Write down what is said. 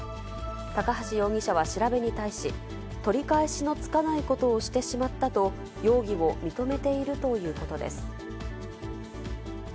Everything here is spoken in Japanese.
高橋容疑者は調べに対し、取り返しのつかないことをしてしまったと、容疑を認めているということです。